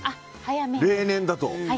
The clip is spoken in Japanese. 例年だとね。